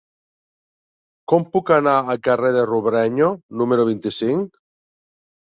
Com puc anar al carrer de Robrenyo número vint-i-cinc?